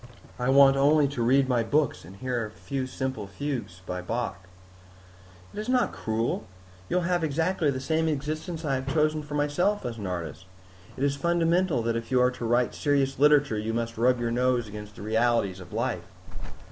I want only to read my books and hear a few simple fugues by Bach." "It is not cruel. You will have exactly the same existence I have chosen for myself as an artist. It is fundamental that if you are to write serious literature, you must rub your nose against the realities of life."